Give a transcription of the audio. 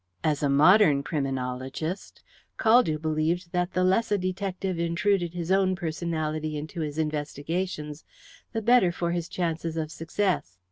As a modern criminologist, Caldew believed that the less a detective intruded his own personality into his investigations the better for his chances of success.